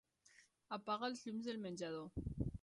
Apaga els llums del menjador.